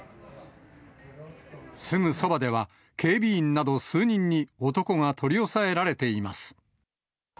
すぐそばでは、警備員など数人に、男が取り押さえられています。